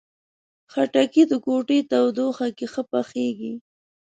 خټکی د کوټې تودوخې کې ښه پخیږي.